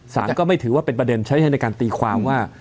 สารก็ไม่ถือว่าเป็นประเด็นใช้ให้ในการตีความว่า